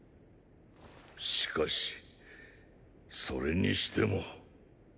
しかしそれにしても。